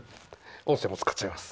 音声も使っちゃいます。